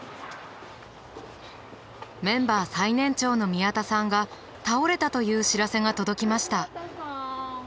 メンバー最年長の宮田さんが倒れたという知らせが届きました。